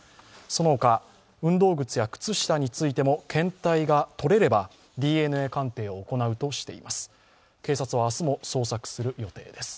そのほか、運動靴や靴下についても検体が取れれば、ＤＮＡ鑑定を行うとしています。